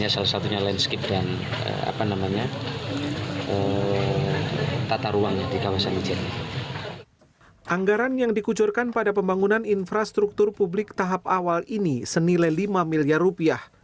anggaran yang dikucurkan pada pembangunan infrastruktur publik tahap awal ini senilai lima miliar rupiah